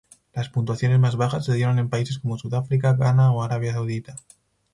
Las puntuaciones más bajas se dieron en países como Sudáfrica, Ghana, o Arabia Saudita.